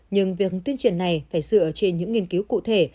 nhưng việc tuyên truyền này phải dựa trên những nghiên cứu cụ thể